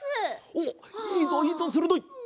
おっいいぞいいぞするどい！